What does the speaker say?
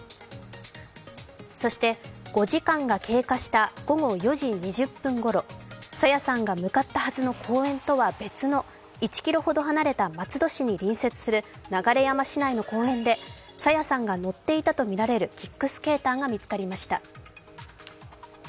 そして５時間が経過した午後４時２０分ごろ、朝芽さんが向かったはずの公園とは別の１ｋｍほど離れた松戸市に隣接する流山市の公園で朝芽さんが乗っていたと見られるキックスケーターが見つかりました。